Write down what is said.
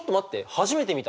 初めて見た。